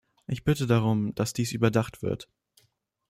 Ich bitte darum, dass dies überdacht wird.